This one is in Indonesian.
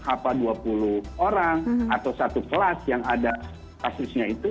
apa dua puluh orang atau satu kelas yang ada kasusnya itu